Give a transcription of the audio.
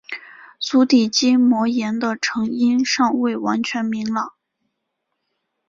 足底筋膜炎的成因尚未完全明朗。